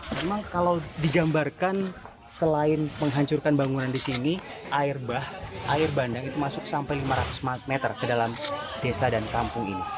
memang kalau digambarkan selain menghancurkan bangunan di sini air bandang itu masuk sampai lima ratus meter ke dalam desa dan kampung ini